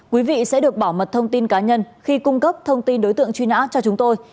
quý vị sẽ được bảo mật thông tin cá nhân khi cung cấp thông tin đối tượng truy nã cho chúng tôi